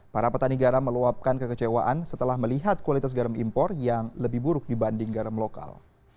para petani garam meluapkan kekecewaan setelah melihat kualitas garam impor yang lebih buruk dibanding garam lokal